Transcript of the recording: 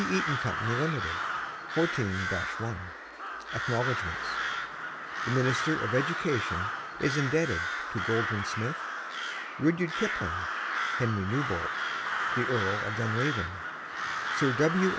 EATON Co Limited '14 1 ACKNOWLEDGMENTS The Minister of Education is indebted to Goldwin Smith, Rudyard Kipling, Henry Newbolt, The Earl of Dunraven, Sir W.